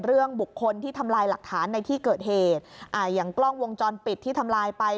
เรื่องบุคคลที่ทำลายหลักฐานในที่เกิดเหตุอ่าอย่างกล้องวงจรปิดที่ทำลายไป